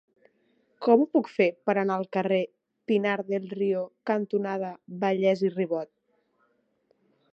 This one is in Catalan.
Com ho puc fer per anar al carrer Pinar del Río cantonada Vallès i Ribot?